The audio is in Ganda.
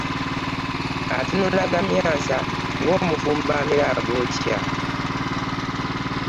Atunula gamyansa ng'omufumbo amira ag'okya .